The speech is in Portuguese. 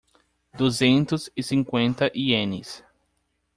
Duzentos e cinquenta ienes